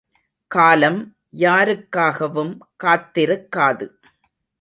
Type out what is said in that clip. காலம் யாருக்காகவும் காத்திருக்காது.